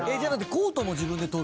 コートも自分で取るの？